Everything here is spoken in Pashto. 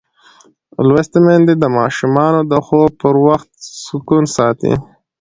لوستې میندې د ماشومانو د خوب پر وخت سکون ساتي.